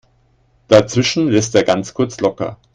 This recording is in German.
Dazwischen lässt er ganz kurz locker.